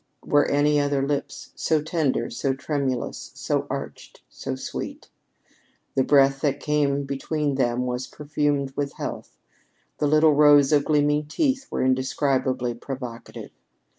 Were any other lips so tender, so tremulous, so arched, so sweet? The breath that came between them was perfumed with health; the little rows of gleaming teeth were indescribably provocative.